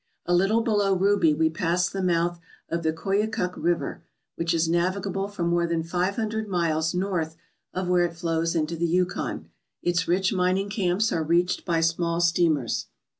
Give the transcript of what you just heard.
A little below Ruby we passed the mouth of the Koyu kuk River, which is navigable for more than five hundred miles north of where it flows into the Yukon. Its rich mining camps are reached by small steamers.